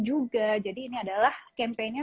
juga jadi ini adalah campaign nya